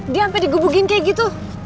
dia sampe digugugin kayak gitu